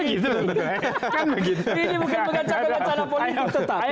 ini bukan mengacaukan wacana politik